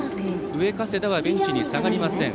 上加世田はベンチに下がりません。